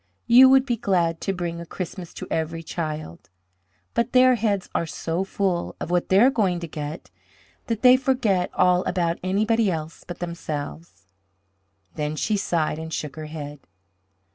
You would be glad to bring a Christmas to every child; but their heads are so full of what they are going to get that they forget all about anybody else but themselves." Then she sighed and shook her head.